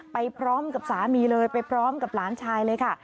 ไปพร้อมกับสามีเลยไปพร้อมกับหลานชายเลยค่ะ